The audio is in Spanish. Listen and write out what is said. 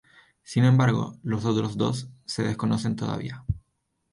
Sin embargo los otros dos se desconocen todavía.